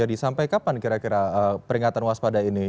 jadi sampai kapan kira kira peringatan kewaspadaan ini